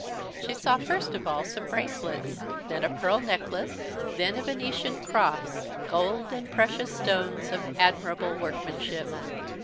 She saw first of all some bracelets, then a pearl necklace, then a Venetian cross, gold and precious stones of admirable workmanship.